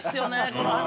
この話。